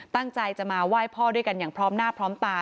ตั้งใจจะมาไหว้พ่อด้วยกันอย่างพร้อมหน้าพร้อมตา